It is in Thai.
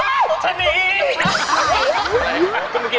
พุชายหลอกมากเลย